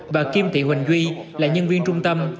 bà kim thị huỳnh duy là nhân viên trung tâm